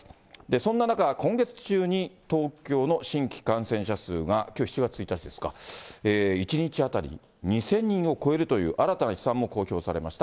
そんな中、今月中に東京の新規感染者数が、きょう７月１日ですか、１日当たり２０００人を超えるという新たな試算も公表されました。